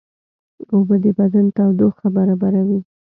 اوبه د بدن تودوخه برابروي